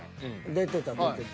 出てた出てた。